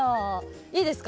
いいですか？